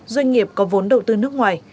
doanh nghiệp có vốn đầu tư nước ngoài